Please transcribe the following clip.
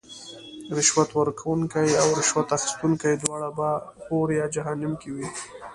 رشوت ورکوونکې او رشوت اخیستونکې دواړه به اور یا جهنم کې وی .